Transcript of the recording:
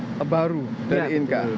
membeli baru dari inka